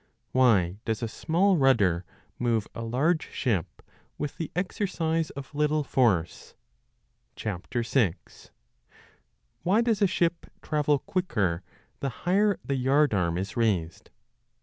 Why does a small rudder move a large ship with the exercise of little force ? 6. Why does a ship travel quicker the higher the yard arm is raised